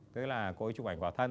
cô ấy chụp ảnh khóa thân